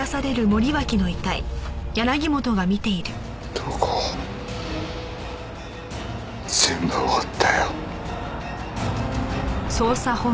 塔子全部終わったよ。